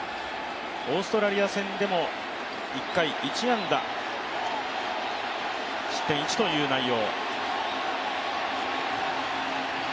オーストラリア戦でも１回１安打、失点１という内容。